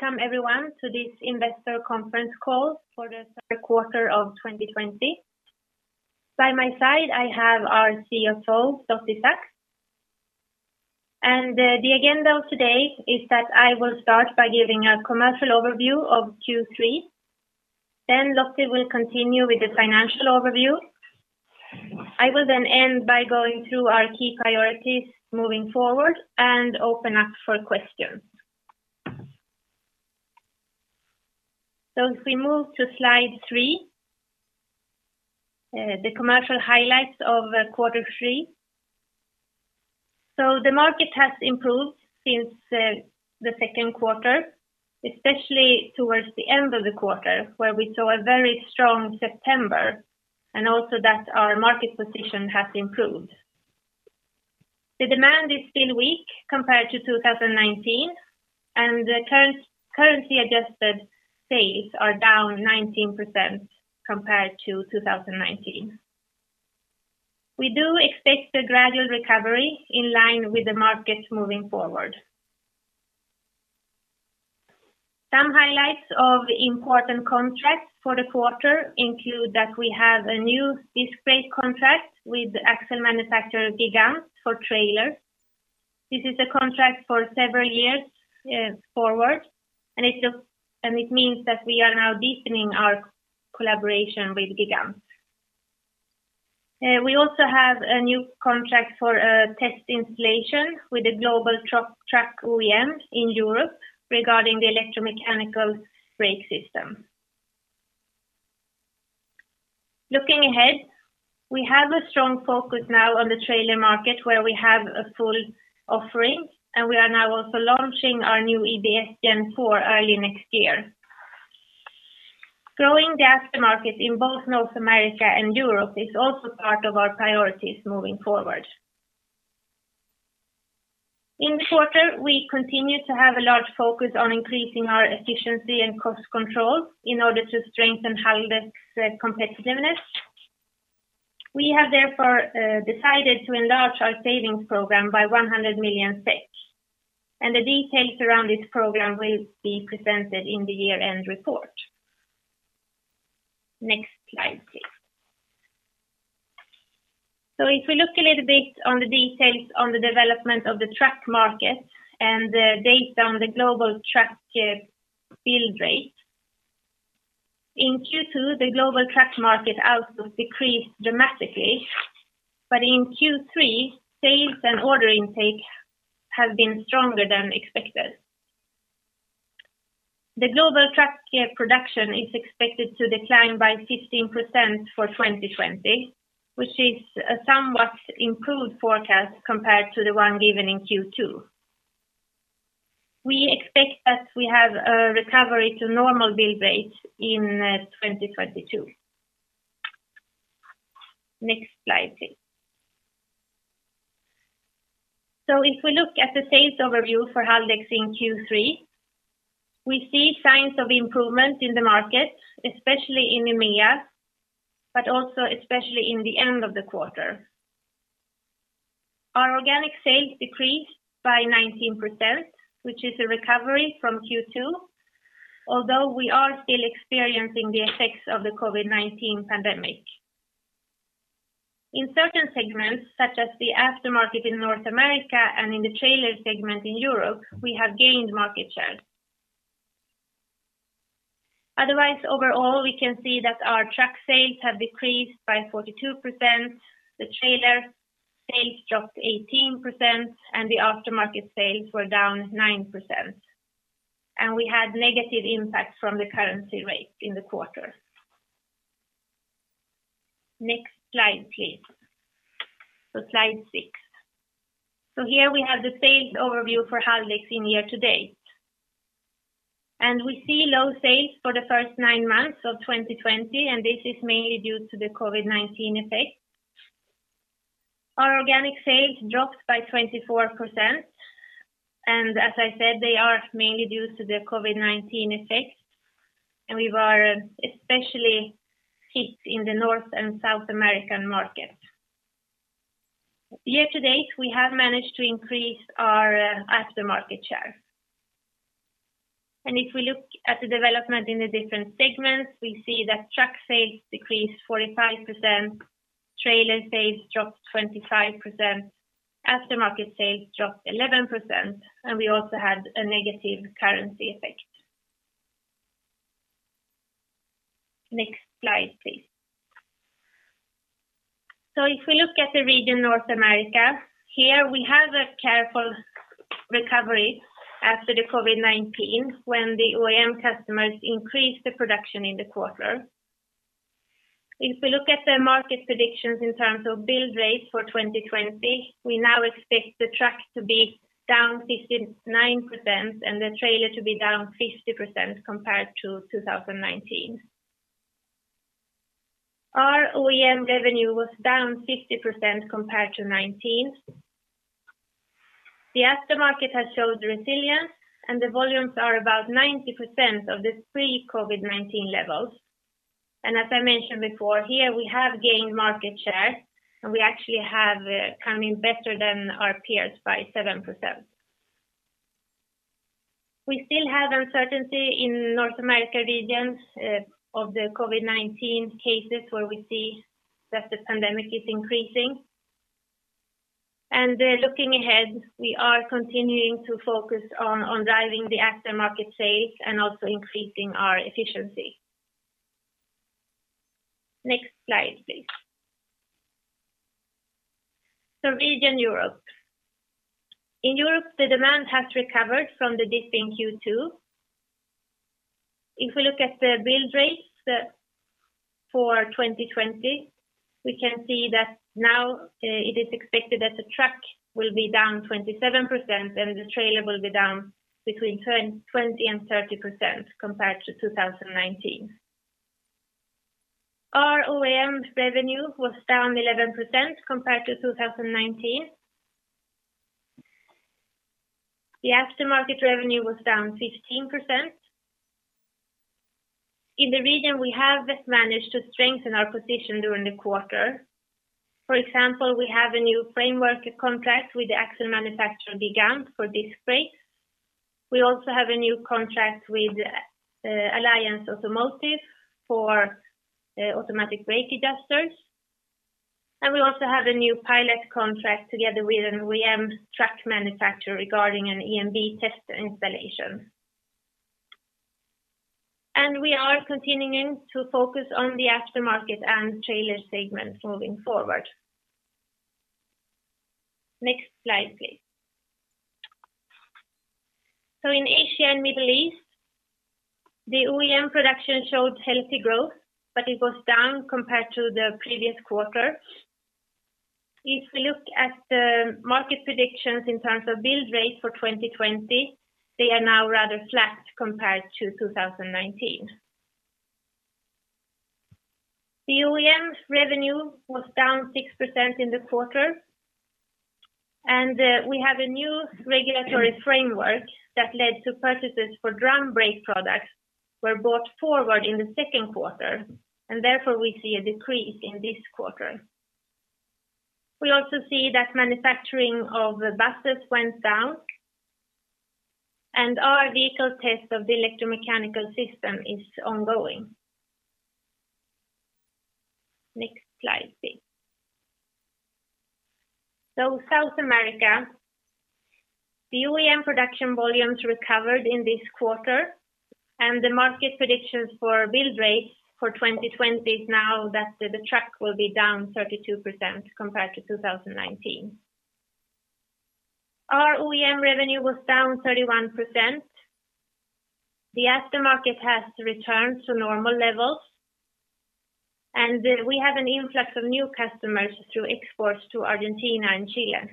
Welcome everyone to this investor conference call for the third quarter of 2020. By my side, I have our CFO, Lottie Saks. The agenda of today is that I will start by giving a commercial overview of Q3, then Lottie will continue with the financial overview. I will then end by going through our key priorities moving forward and open up for questions. If we move to slide three, the commercial highlights of quarter three. The market has improved since the second quarter, especially towards the end of the quarter, where we saw a very strong September, and also that our market position has improved. The demand is still weak compared to 2019, and the currency-adjusted sales are down 19% compared to 2019. We do expect a gradual recovery in line with the market moving forward. Some highlights of important contracts for the quarter include that we have a new disc brake contract with axle manufacturer Gigant for trailers. This is a contract for several years forward, and it means that we are now deepening our collaboration with Gigant. We also have a new contract for a test installation with a global truck OEM in Europe regarding the electromechanical brake system. Looking ahead, we have a strong focus now on the trailer market, where we have a full offering, and we are now also launching our new EBS Gen 4 early next year. Growing the aftermarket in both North America and Europe is also part of our priorities moving forward. In the quarter, we continued to have a large focus on increasing our efficiency and cost control in order to strengthen Haldex's competitiveness. We have therefore decided to enlarge our savings program by 100 million SEK, and the details around this program will be presented in the year-end report. Next slide, please. If we look a little bit on the details on the development of the truck market and the data on the global truck build rate. In Q2, the global truck market output decreased dramatically, but in Q3, sales and order intake have been stronger than expected. The global truck production is expected to decline by 15% for 2020, which is a somewhat improved forecast compared to the one given in Q2. We expect that we have a recovery to normal build rate in 2022. Next slide, please. If we look at the sales overview for Haldex in Q3, we see signs of improvement in the market, especially in EMEA, but also especially in the end of the quarter. Our organic sales decreased by 19%, which is a recovery from Q2, although we are still experiencing the effects of the COVID-19 pandemic. In certain segments, such as the aftermarket in North America and in the trailer segment in Europe, we have gained market share. Otherwise, overall, we can see that our truck sales have decreased by 42%, the trailer sales dropped 18%, and the aftermarket sales were down 9%. We had negative impact from the currency rate in the quarter. Next slide, please. Slide six. Here we have the sales overview for Haldex in year-to-date. We see low sales for the first nine months of 2020, and this is mainly due to the COVID-19 effect. Our organic sales dropped by 24%, and as I said, they are mainly due to the COVID-19 effect, and we were especially hit in the North and South American markets. Year-to-date, we have managed to increase our aftermarket share. If we look at the development in the different segments, we see that truck sales decreased 45%, trailer sales dropped 25%, aftermarket sales dropped 11%, and we also had a negative currency effect. Next slide, please. If we look at the region North America, here we have a careful recovery after the COVID-19 when the OEM customers increased the production in the quarter. If we look at the market predictions in terms of build rates for 2020, we now expect the truck to be down 59% and the trailer to be down 50% compared to 2019. Our OEM revenue was down 50% compared to 2019. The aftermarket has showed resilience, and the volumes are about 90% of the pre-COVID-19 levels. As I mentioned before, here we have gained market share, and we actually have come in better than our peers by 7%. We still have uncertainty in North America regions of the COVID-19 cases, where we see that the pandemic is increasing. Looking ahead, we are continuing to focus on driving the aftermarket sales and also increasing our efficiency. Next slide, please. Region Europe. In Europe, the demand has recovered from the dip in Q2. If we look at the build rates for 2020, we can see that now it is expected that the truck will be down 27% and the trailer will be down between 20% and 30% compared to 2019. Our OEM revenue was down 11% compared to 2019. The aftermarket revenue was down 15%. In the region, we have managed to strengthen our position during the quarter. For example, we have a new framework contract with the axle manufacturer Gigant for disc brakes. We also have a new contract with Alliance Automotive for automatic brake adjusters. We also have a new pilot contract together with an OEM truck manufacturer regarding an EMB test installation. We are continuing to focus on the aftermarket and trailer segments moving forward. Next slide, please. In Asia and Middle East, the OEM production showed healthy growth, but it was down compared to the previous quarter. If we look at the market predictions in terms of build rates for 2020, they are now rather flat compared to 2019. The OEM revenue was down 6% in the quarter, and we have a new regulatory framework that led to purchases for drum brake products were brought forward in the second quarter, and therefore we see a decrease in this quarter. We also see that manufacturing of buses went down, and our vehicle test of the electromechanical brake system is ongoing. Next slide, please. South America. The OEM production volumes recovered in this quarter, and the market predictions for build rates for 2020 is now that the truck will be down 32% compared to 2019. Our OEM revenue was down 31%. The aftermarket has returned to normal levels, and we have an influx of new customers through exports to Argentina and Chile.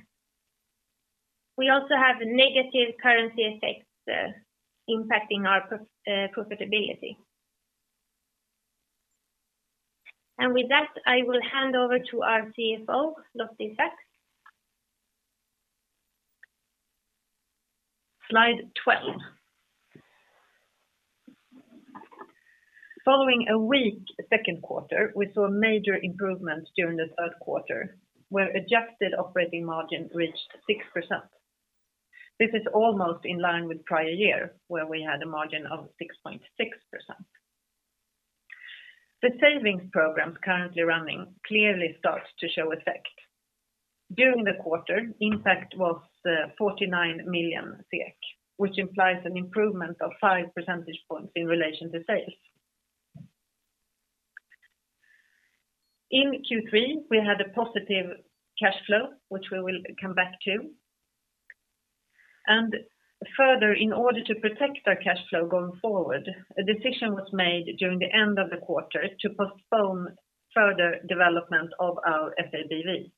We also have negative currency effects impacting our profitability. With that, I will hand over to our CFO, Lottie Saks. Slide 12. Following a weak second quarter, we saw a major improvement during the third quarter, where adjusted operating margin reached 6%. This is almost in line with prior year, where we had a margin of 6.6%. The savings programs currently running clearly start to show effect. During the quarter, impact was 49 million SEK, which implies an improvement of 5% points in relation to sales. In Q3, we had a positive cash flow, which we will come back to. Further, in order to protect our cash flow going forward, a decision was made during the end of the quarter to postpone further development of our FABV.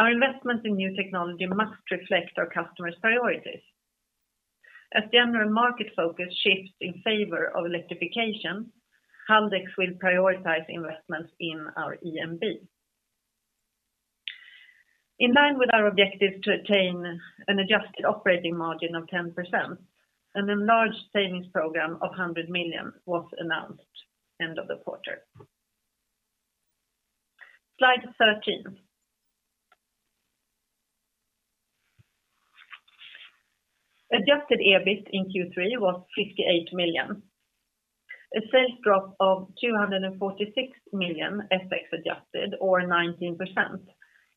Our investment in new technology must reflect our customers' priorities. As general market focus shifts in favor of electrification, Haldex will prioritize investments in our EMB. In line with our objective to attain an adjusted operating margin of 10%, a large savings program of 100 million was announced end of the quarter. Slide 13. Adjusted EBIT in Q3 was 58 million. A sales drop of 246 million FX adjusted or 19%,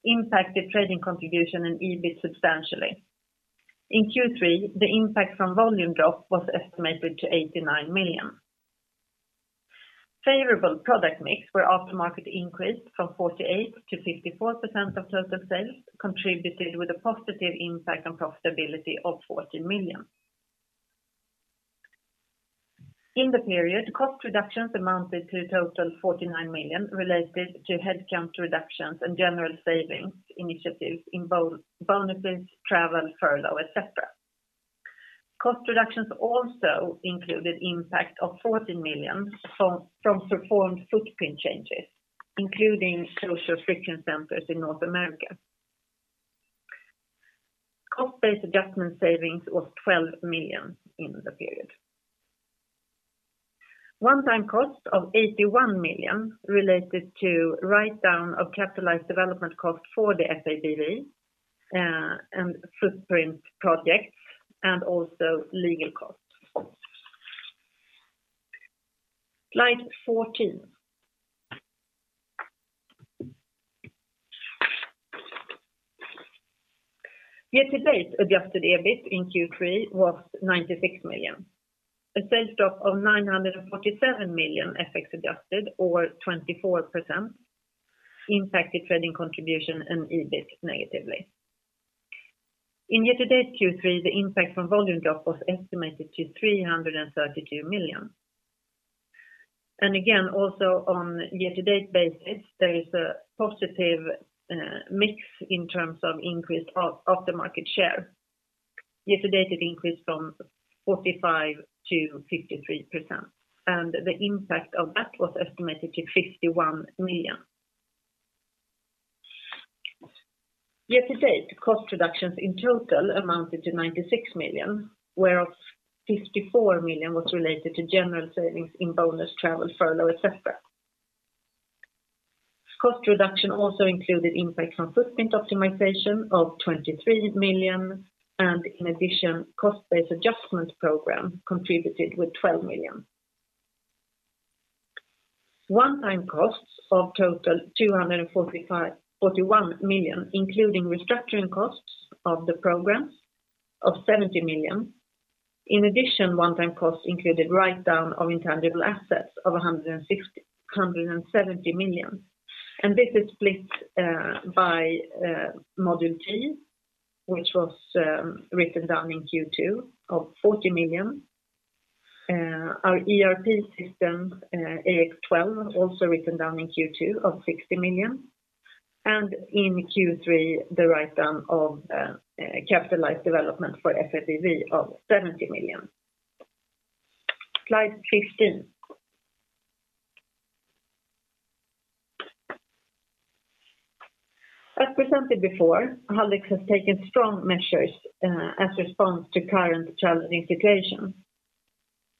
impacted trading contribution and EBIT substantially. In Q3, the impact from volume drop was estimated to 89 million. Favorable product mix where aftermarket increased from 48%-54% of total sales contributed with a positive impact on profitability of 14 million. In the period, cost reductions amounted to a total 49 million related to headcount reductions and general savings initiatives in bonuses, travel, furlough, et cetera. Cost reductions also included impact of 14 million from performed footprint changes, including social plan friction costs in North America. Cost base adjustment savings was 12 million in the period. One time cost of 81 million related to write down of capitalized development cost for the FABV and footprint projects, and also legal costs. Slide 14. Year to date adjusted EBIT in Q3 was 96 million. A sales drop of 947 million FX adjusted or 24% impacted trading contribution and EBIT negatively. In year to date Q3, the impact from volume drop was estimated to 332 million. Again, also on year to date basis, there is a positive mix in terms of increased of the market share. Year to date, it increased from 45%-53%, and the impact of that was estimated to 51 million. Year to date, cost reductions in total amounted to 96 million, where of 54 million was related to general savings in bonus travel furlough, et cetera. Cost reduction also included impact from footprint optimization of 23 million. In addition, cost base adjustment program contributed with 12 million. One-time costs of total 241 million, including restructuring costs of the programs of 70 million. In addition, one-time costs included write-down of intangible assets of 170 million. This is split by ModulT, which was written down in Q2 of 40 million. Our ERP systems, AX 2012, also written down in Q2 of 60 million. In Q3, the write-down of capitalized development for FABV of 70 million. Slide 15. As presented before, Haldex has taken strong measures as response to current challenging situation.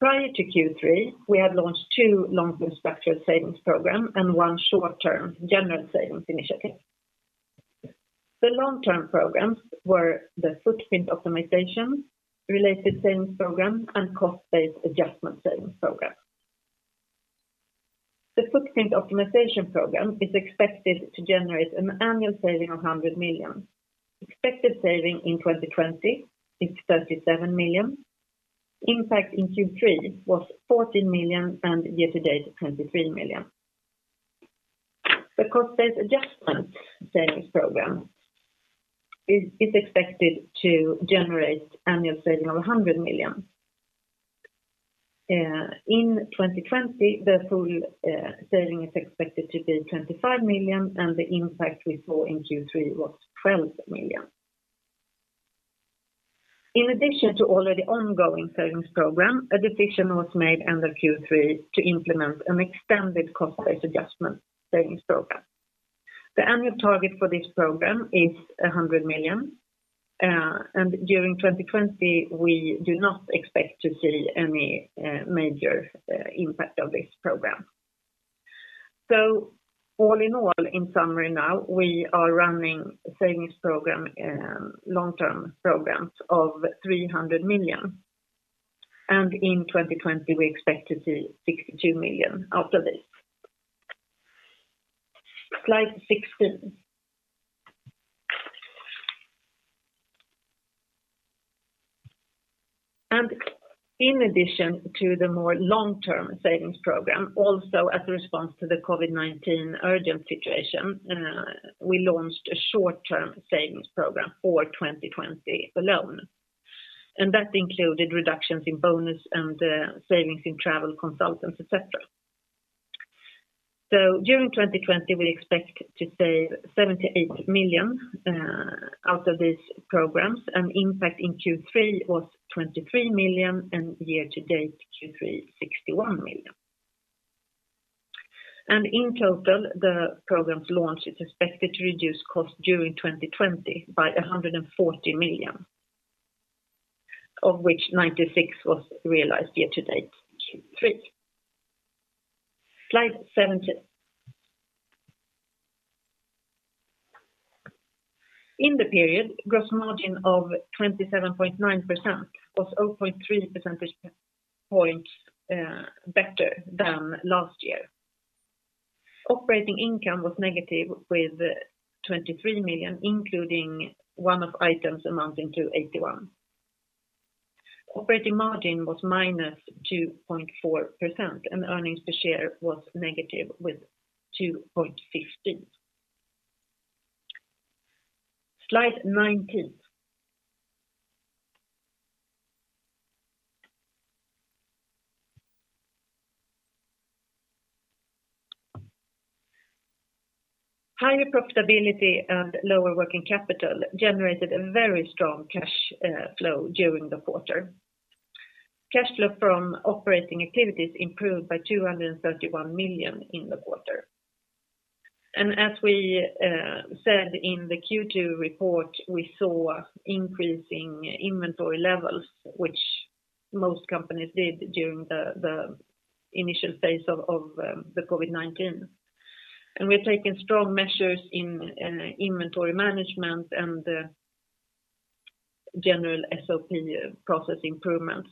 Prior to Q3, we had launched two long-term structural savings programs and one short-term general savings initiative. The long-term programs were the footprint optimization-related savings program and cost base adjustment savings program. The Footprint Optimization Program is expected to generate an annual saving of 100 million. Expected saving in 2020 is 37 million. Impact in Q3 was 14 million and year to date, 23 million. The Cost Base Adjustment Savings Program is expected to generate annual saving of 100 million. In 2020, the full saving is expected to be 25 million, the impact we saw in Q3 was 12 million. In addition to already ongoing savings program, a decision was made under Q3 to implement an extended Cost Base Adjustment Savings Program. The annual target for this program is 100 million. During 2020, we do not expect to see any major impact of this program. All in all, in summary now, we are running a savings program, long term programs of 300 million. In 2020, we expect to see 62 million out of this. Slide 16. In addition to the more long term savings program, also as a response to the COVID-19 urgent situation, we launched a short term savings program for 2020 alone. That included reductions in bonus and savings in travel consultants, et cetera. During 2020, we expect to save 78 million out of these programs, impact in Q3 was 23 million, and year to date Q3, 61 million. In total, the programs launch is expected to reduce costs during 2020 by 140 million, of which 96 was realized year to date Q3. Slide 17. In the period, gross margin of 27.9% was 0.3 percentage points better than last year. Operating income was negative with 23 million, including one-off items amounting to 81. Operating margin was -2.4%, earnings per share was negative with SEK 2.15. Slide 19. Higher profitability and lower working capital generated a very strong cash flow during the quarter. Cash flow from operating activities improved by 231 million in the quarter. As we said in the Q2 report, we saw increasing inventory levels, which most companies did during the initial phase of the COVID-19. We're taking strong measures in inventory management and general SOP process improvements.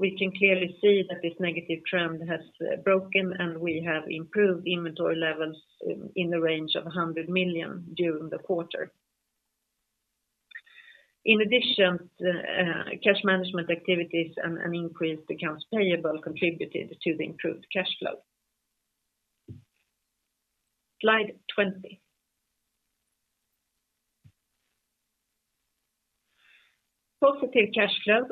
We can clearly see that this negative trend has broken, and we have improved inventory levels in the range of 100 million during the quarter. In addition, cash management activities and increased accounts payable contributed to the improved cash flow. Slide 20. Positive cash flow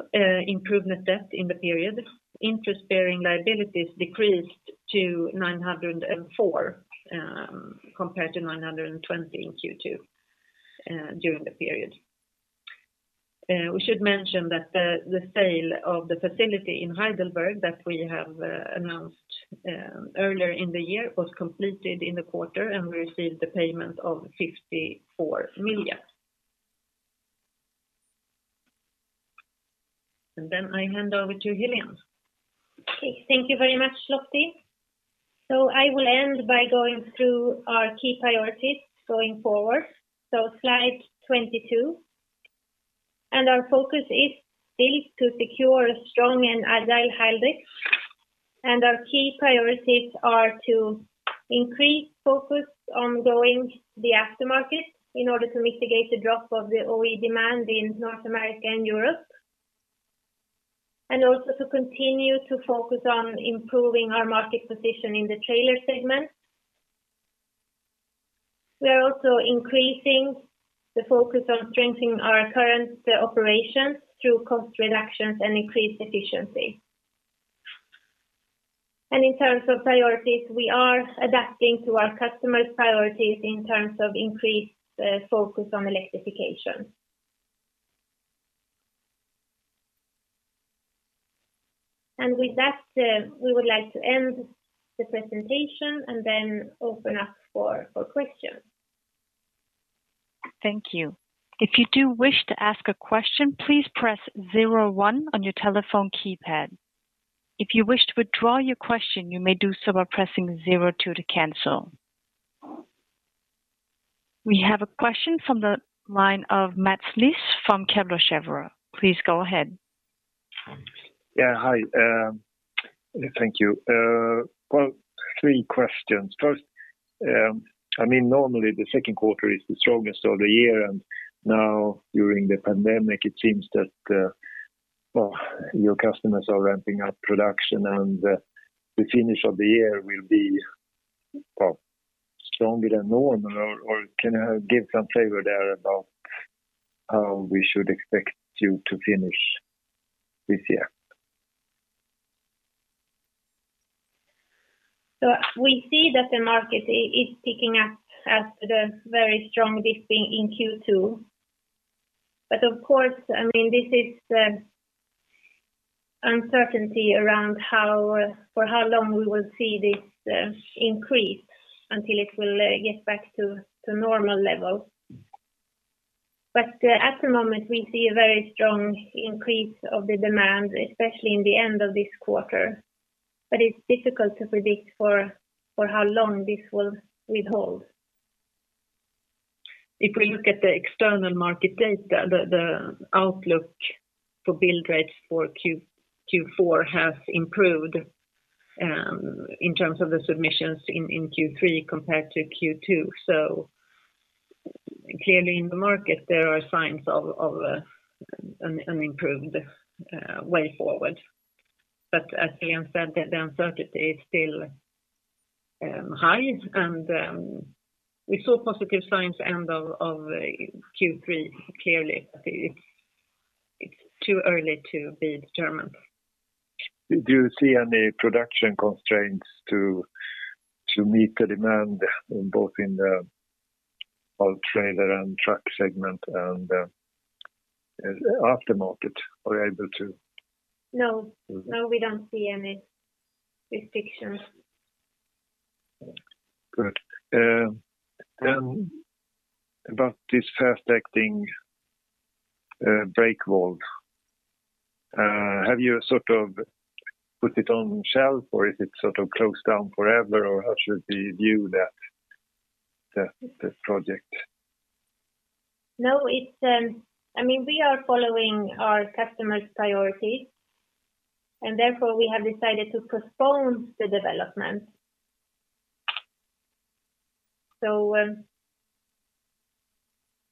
improvement debt in the period. Interest-bearing liabilities decreased to 904, compared to 920 in Q2, during the period. We should mention that the sale of the facility in Heidelberg that we have announced earlier in the year was completed in the quarter, and we received the payment of 54 million. I hand over to Helene. Thank you very much, Lottie. I will end by going through our key priorities going forward. Slide 22. Our focus is still to secure a strong and agile Haldex. Our key priorities are to increase focus on growing the aftermarket in order to mitigate the drop of the OEM demand in North America and Europe. Also to continue to focus on improving our market position in the trailer segment. We are also increasing the focus on strengthening our current operations through cost reductions and increased efficiency. In terms of priorities, we are adapting to our customers' priorities in terms of increased focus on electrification. With that, we would like to end the presentation and then open up for questions. Thank you. If you do wish to ask a question, please press zero one on your telephone keypad. If you wish to withdraw your question, you may do so by pressing zero two to cancel. We have a question from the line of Mats Liss from Kepler Cheuvreux. Please go ahead. Yeah, hi. Thank you. Well, three questions. First, normally the second quarter is the strongest of the year, and now during the pandemic, it seems that your customers are ramping up production and the finish of the year will be stronger than normal, or can you give some flavor there about how we should expect you to finish this year? We see that the market is picking up after the very strong dip in Q2. Of course, this is uncertainty around for how long we will see this increase until it will get back to normal levels. At the moment, we see a very strong increase of the demand, especially in the end of this quarter, but it's difficult to predict for how long this will withhold. If we look at the external market data, the outlook for build rates for Q4 has improved in terms of the submissions in Q3 compared to Q2. Clearly in the market, there are signs of an improved way forward. As Helene said, the uncertainty is still high, and we saw positive signs end of Q3 clearly, it's too early to be determined. Do you see any production constraints to meet the demand, both in the trailer and truck segment and the aftermarket? Are you able to? No. We don't see any restrictions. Good. About this Fast-Acting Brake Valve, have you sort of put it on the shelf or is it sort of closed down forever, or how should we view that project? No. We are following our customers' priorities. Therefore, we have decided to postpone the development.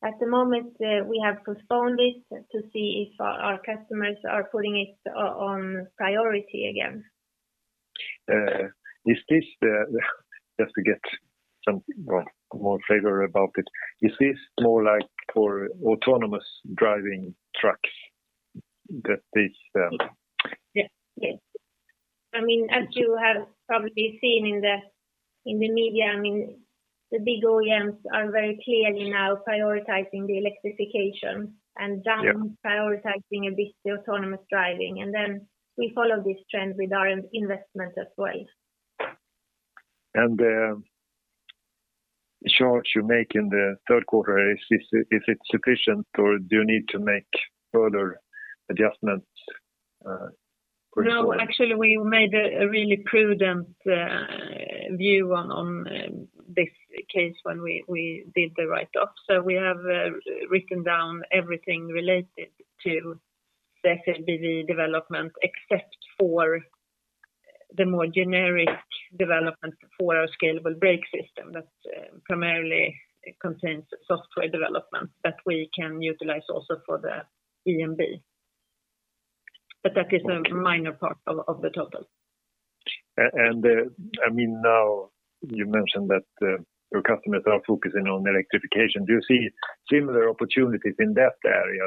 At the moment, we have postponed it to see if our customers are putting it on priority again. Just to get some more flavor about it, is this more like for autonomous driving trucks? Yes. As you have probably seen in the media, I mean. The big OEMs are very clearly now prioritizing the electrification- Yeah Prioritizing a bit the autonomous driving, we follow this trend with our investment as well. The charge you make in the third quarter, is it sufficient or do you need to make further adjustments going forward? No, actually, we made a really prudent view on this case when we did the write-off. We have written down everything related to the FABV development, except for the more generic development for our scalable brake system that primarily contains software development that we can utilize also for the EMB. That is a minor part of the total. Now you mentioned that your customers are focusing on electrification. Do you see similar opportunities in that area,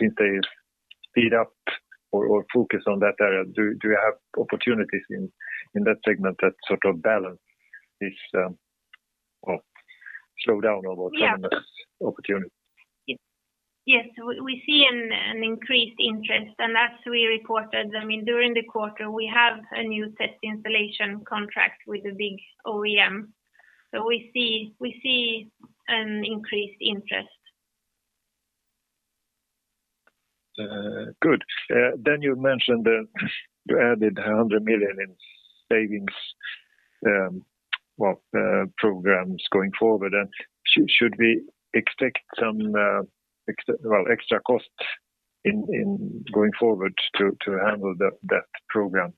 since they speed up or focus on that area? Do you have opportunities in that segment that sort of balance this slowdown of autonomous opportunities? Yes. We see an increased interest, and as we reported, during the quarter, we have a new test installation contract with a big OEM. We see an increased interest. Good. You mentioned that you added 100 million in savings programs going forward. Should we expect some extra costs going forward to handle that program?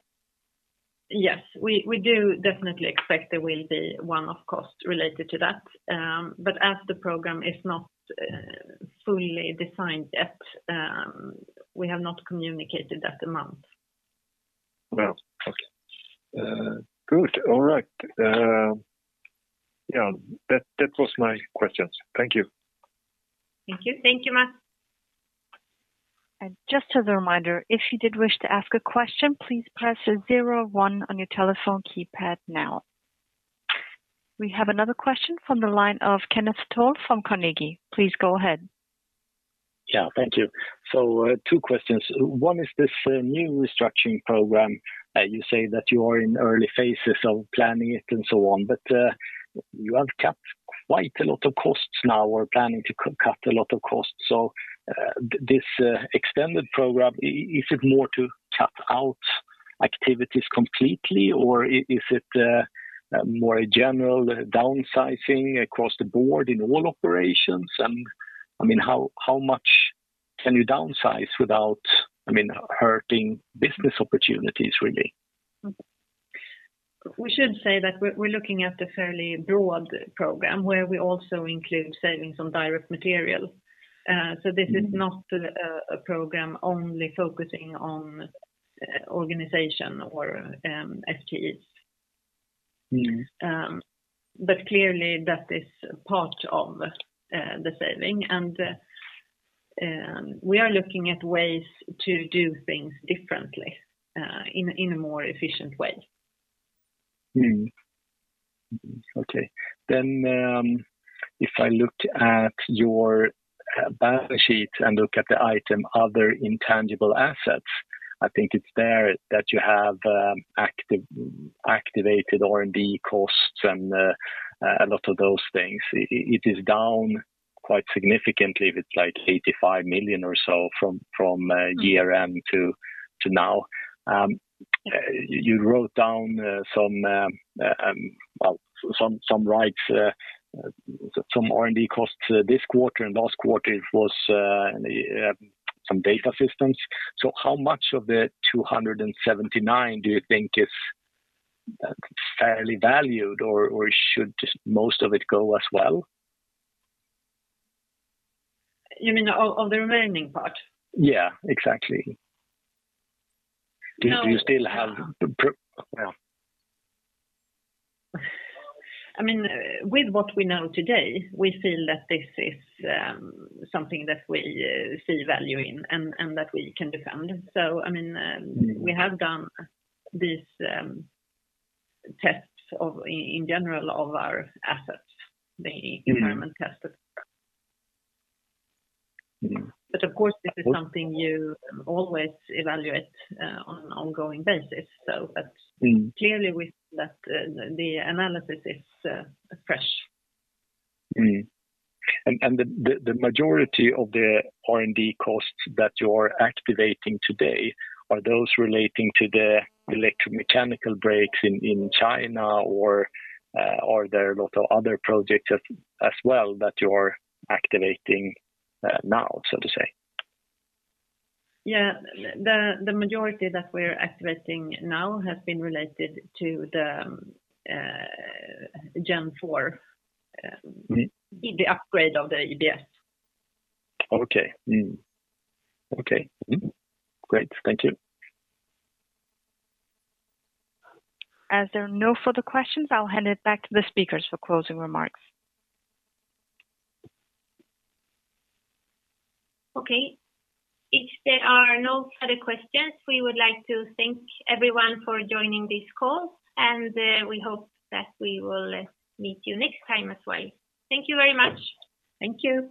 Yes, we do definitely expect there will be one-off costs related to that. As the program is not fully defined yet, we have not communicated that amount. Well, okay. Good. All right. Yeah, that was my questions. Thank you. Thank you. Thank you, Mats. Just as a reminder, if you did wish to ask a question, please press zero one on your telephone keypad now. We have another question from the line of Kenneth Toll from Carnegie. Please go ahead. Thank you. Two questions. One is this new restructuring program. You say that you are in early phases of planning it and so on, you have cut quite a lot of costs now or planning to cut a lot of costs. This extended program, is it more to cut out activities completely, or is it more a general downsizing across the board in all operations? How much can you downsize without hurting business opportunities, really? We should say that we're looking at a fairly broad program where we also include savings on direct material. This is not a program only focusing on organization or FTEs. Clearly that is part of the saving, and we are looking at ways to do things differently, in a more efficient way. Mm-hmm. Okay. If I looked at your balance sheet and look at the item, other intangible assets, I think it's there that you have activated R&D costs and a lot of those things. It is down quite significantly with like 85 million or so from year-end to now. You wrote down some R&D costs this quarter, and last quarter it was some data systems. How much of the 279 do you think is fairly valued, or should most of it go as well? You mean of the remaining part? Yeah, exactly. No. Do you still have? Yeah. With what we know today, we feel that this is something that we see value in and that we can defend. We have done these tests, in general, of our assets, the impairment test. Of course, this is something you always evaluate on an ongoing basis. Clearly the analysis is fresh. The majority of the R&D costs that you're activating today, are those relating to the electromechanical brakes in China, or are there a lot of other projects as well that you're activating now, so to say? Yeah. The majority that we're activating now has been related to the Gen4, the upgrade of the EBS. Okay. Mm-hmm. Great. Thank you. As there are no further questions, I'll hand it back to the speakers for closing remarks. Okay. If there are no further questions, we would like to thank everyone for joining this call, and we hope that we will meet you next time as well. Thank you very much. Thank you.